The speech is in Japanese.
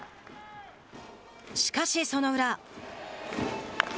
しかし、その裏。